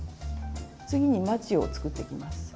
次にまちを作っていきます。